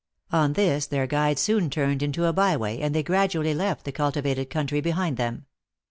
On this their guide soon turned into a by way, and they gradually left the cultivated country behind them.